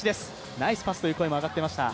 「ナイスパス！」という声も上がっていました。